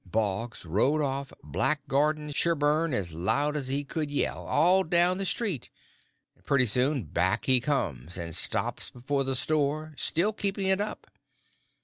Boggs rode off blackguarding Sherburn as loud as he could yell, all down the street; and pretty soon back he comes and stops before the store, still keeping it up.